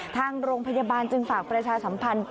ทางโรงพยาบาลจึงฝากประชาสัมพันธ์